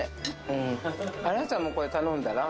うんあなたもこれ頼んだら？